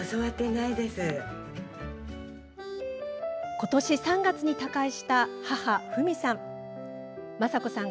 ことし３月に他界した母・フミさん。